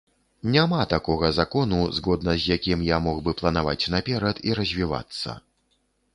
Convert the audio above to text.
Няма такога закону, згодна з якім я мог бы планаваць наперад і развівацца.